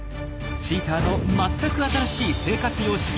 チーターの全く新しい生活様式。